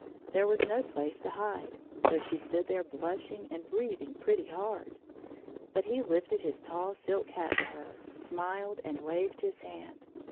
There was no place to hide, so she stood there blushing and breathing pretty hard. But he lifted his tall silk hat to her, smiled, and waved his hand.